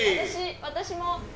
私私も！